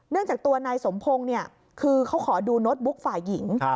เนื่องจากตัวนายสมพงษ์คือเขาขอดูโน้ตบุ๊กฝ่ายหญิง